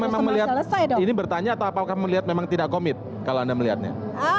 memang melihat ini bertanya atau apakah melihat memang tidak komit kalau anda melihatnya